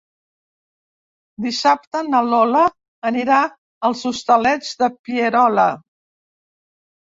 Dissabte na Lola anirà als Hostalets de Pierola.